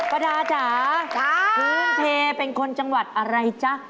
ประดาจ๋าพื้นเทเป็นคนจังหวัดอะไรจ๊ะ